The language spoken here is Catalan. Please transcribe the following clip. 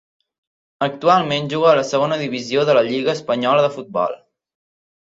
Actualment juga a la Segona divisió de la lliga espanyola de futbol.